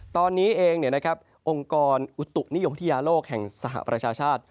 ตอนนี้เององค์กรอุตุนิยมวิทยาโลกแห่งสหประชาชาติ